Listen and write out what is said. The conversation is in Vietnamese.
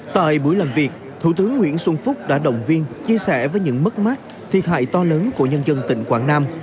tại buổi làm việc thủ tướng nguyễn xuân phúc đã động viên chia sẻ với những mất mát thiệt hại to lớn của nhân dân tỉnh quảng nam